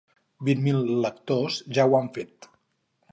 Vint mil lectors ja ho han fet.